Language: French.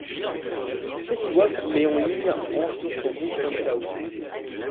Fetty Wap met en ligne ' en sur son compte SoundCloud.